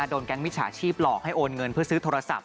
แก๊งมิจฉาชีพหลอกให้โอนเงินเพื่อซื้อโทรศัพท์